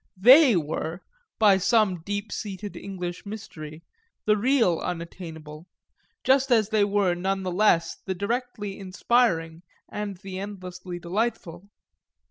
They were, by some deep seated English mystery, the real unattainable, just as they were none the less the directly inspiring and the endlessly delightful.